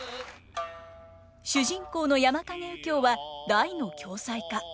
主人公の山蔭右京は大の恐妻家。